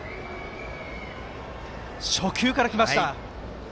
初球から行きました。